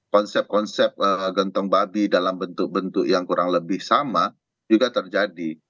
konsep konsep gentong babi dalam bentuk bentuk yang kurang lebih sama juga terjadi